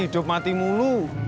hidup mati mulu